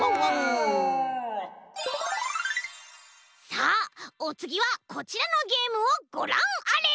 さあおつぎはこちらのゲームをごらんあれ！